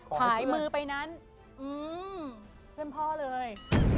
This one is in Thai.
ถ่ายมือไปนั้นเพื่อนพ่อเลย